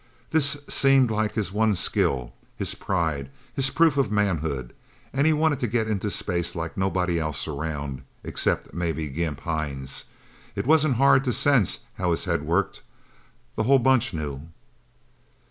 This seemed his one skill, his pride, his proof of manhood. And he wanted to get into space like nobody else around, except maybe Gimp Hines. It wasn't hard to sense how his head worked the whole Bunch knew.